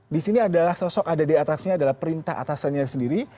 di sini adalah sosok ada di atasnya adalah perintah atasannya sendiri